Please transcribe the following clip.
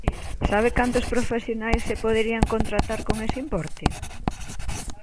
¿Sabe cantos profesionais se poderían contratar con ese importe?